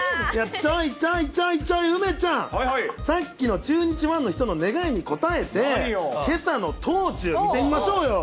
ちょいちょいちょいちょい、梅ちゃん、さっきの中日ファンの人の願いに応えて、けさのとうちゅう、見てみましょうよ。